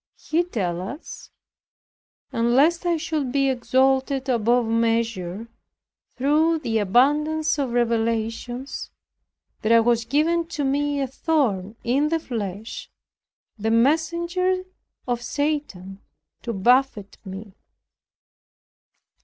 He tells us, "And lest I should be exalted above measure, through the abundance of revelations, there was given to me a thorn in the flesh, the messenger of Satan to buffet me."